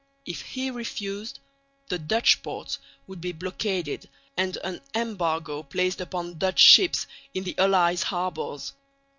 If he refused, the Dutch ports would be blockaded and an embargo placed upon Dutch ships in the allies' harbours.